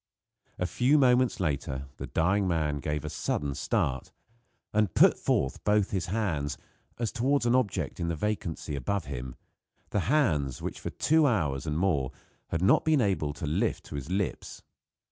A few moments later the dying man gave a sudden start, and put forth both his hands, as toward an object in the vacancy above him the hands, which for two hours and more he had not been able to lift to his lips.